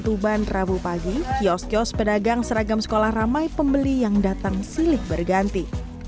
tuban rabu pagi kios kios pedagang seragam sekolah ramai pembeli yang datang silih berganti